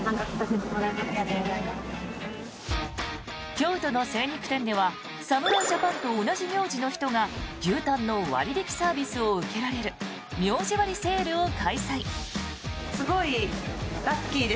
京都の精肉店では侍ジャパンと同じ名字の人が牛タンの割引サービスを受けられる名字割セールを開催。